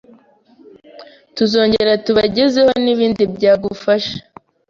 tuzongera tubagezeho n’ibindi byagufasha